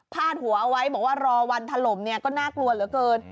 ดหัวเอาไว้บอกว่ารอวันถล่มเนี่ยก็น่ากลัวเหลือเกิน